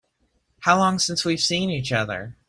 How long since we've seen each other?